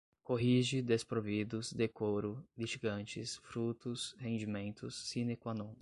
corrige, desprovidos, decoro, litigantes, frutos, rendimentos, sine qua non